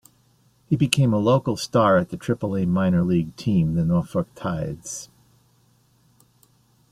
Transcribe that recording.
He became a local star at the Triple-A minor league team, the Norfolk Tides.